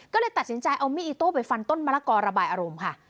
ก็เลยตัดสินใจเอามีดอิโต้ไปฟันต้นมะละกอระบายอารมณ์ค่ะ